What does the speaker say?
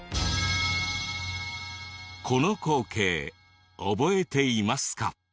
この光景覚えていますか？